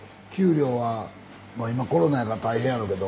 まあ今コロナやから大変やろうけど。